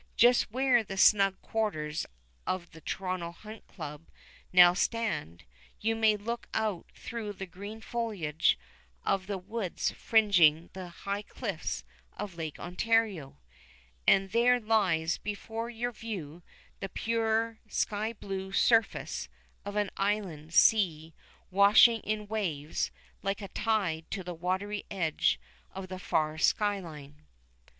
Just where the snug quarters of the Toronto Hunt Club now stand you may look out through the green foliage of the woods fringing the high cliffs of Lake Ontario, and there lies before your view the pure sky blue surface of an inland sea washing in waves like a tide to the watery edge of the far sky line.